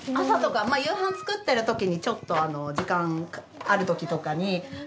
朝とか夕飯作ってるときにちょっと時間あるときとかに。